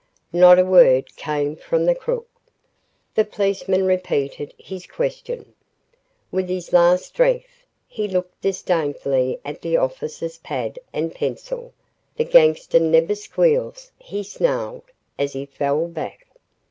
Not a word came from the crook. The policeman repeated his question. With his last strength, he looked disdainfully at the officer's pad and pencil. "The gangster never squeals," he snarled, as he fell back.